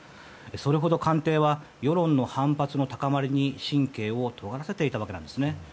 それほど官邸は世論の反発の高まりに神経をとがらせていたわけなんです。